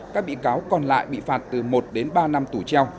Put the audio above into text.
các bị cáo còn lại bị phạt từ một đến ba năm tù treo